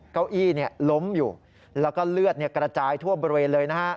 เก้าอี้ล้มอยู่แล้วก็เลือดกระจายทั่วบริเวณเลยนะฮะ